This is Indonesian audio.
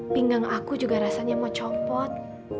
pinggang aku juga rasanya mau copot